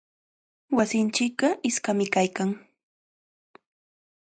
Wasinchikqa iskami kaykan.